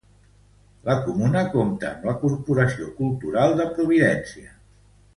La comuna compta amb la Corporació Cultural de Providència.